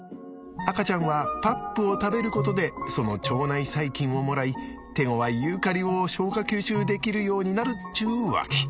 赤ちゃんはパップを食べることでその腸内細菌をもらい手ごわいユーカリを消化吸収できるようになるっちゅうわけ。